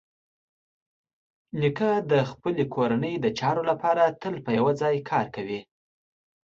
نیکه د خپلې کورنۍ د چارو لپاره تل په یوه ځای کار کوي.